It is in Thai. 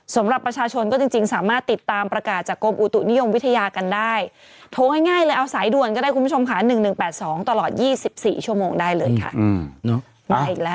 สำหรับประชาชนก็จริงสามารถติดตามประกาศจากกรมอุตุนิยมวิทยากันได้โทรง่ายเลยเอาสายด่วนก็ได้คุณผู้ชมค่ะ๑๑๘๒ตลอด๒๔ชั่วโมงได้เลยค่ะ